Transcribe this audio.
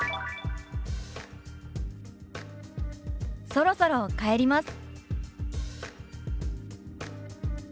「そろそろ帰ります」。